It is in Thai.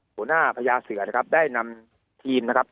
หัวหน้าพญาเสือนะครับได้นำทีมนะครับ